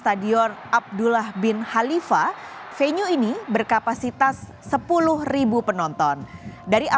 tapi kami juga berhasil untuk membuatnya dengan baik